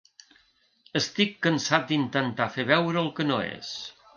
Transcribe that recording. Estic cansat d’intentar fer veure el que no és.